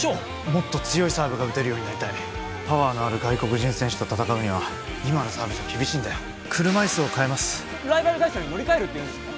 もっと強いサーブが打てるようになりたいパワーのある外国人選手と戦うには今のサーブじゃ厳しいんだよ車いすを変えますライバル会社に乗り換えるっていうんですか！？